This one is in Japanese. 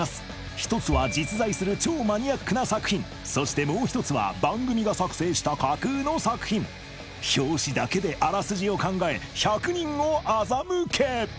１つは実在する超マニアックな作品そしてもう１つは番組が作成した架空の作品表紙だけであらすじを考え１００人を欺け！